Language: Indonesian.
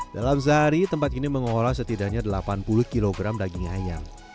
dalam sehari tempat ini mengolah setidaknya delapan puluh kg daging ayam